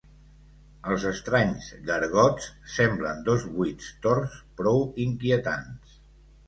Els estranys gargots semblen dos vuits torts prou inquietants.